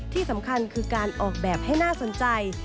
ที่สำคัญคือการออกแบบให้น่าสนใจ